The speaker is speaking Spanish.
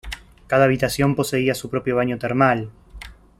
Cada habitación poseía su propio baño termal.